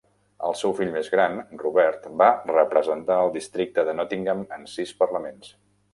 El seu fill més gran, Robert, va representar al districte de Nottingham en sis parlaments.